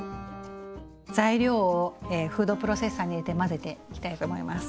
材料をフードプロセッサーに入れて混ぜていきたいと思います。